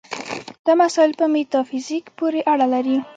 دا مسایل په میتافیزیک پورې اړه لري.